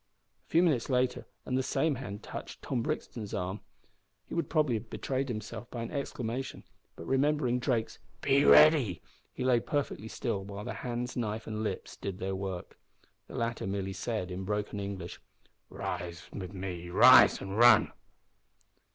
A few minutes later, and the same hand touched Tom Brixton's arm. He would probably have betrayed himself by an exclamation, but remembering Drake's "Be ready," he lay perfectly still while the hands, knife, and lips did their work. The latter merely said, in broken English, "Rise when me rise, an' run!"